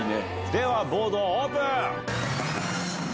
ではボードオープン！